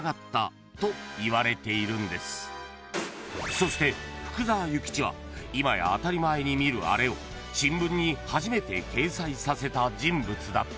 ［そして福沢諭吉は今や当たり前に見るあれを新聞に初めて掲載させた人物だった！？］